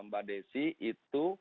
mbak desy itu